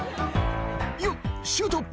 「よっシュート！」